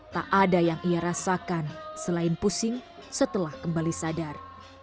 tak ada yang ia rasakan selain pusing setelah kembali sadar